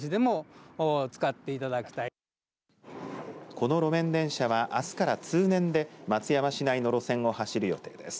この路面電車は、あすから通年で松山市内の路線を走る予定です。